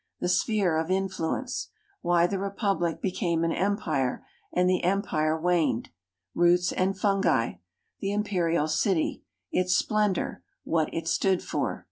The sphere of influence. W^hy the llepuhlic became an Empire, and the Em pire waned. Roots and fungi.' The Imperial City : its splendor; what it stood for.